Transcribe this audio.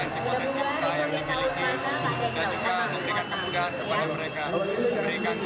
setelah perjalanan menyerang